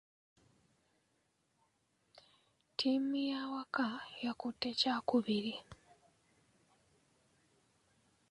Ttiimu y'awaka yakutte kyakubiri.